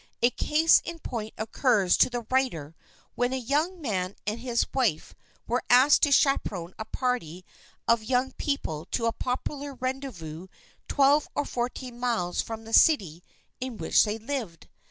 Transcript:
A case in point occurs to the writer where a young man and his wife were asked to chaperon a party of young people to a popular rendezvous twelve or fourteen miles from the city in which they lived.